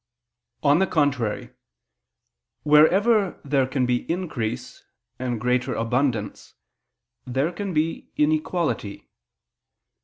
On the contrary, Wherever there can be increase and greater abundance, there can be inequality.